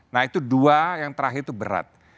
nah itu dua yang terakhir itu berat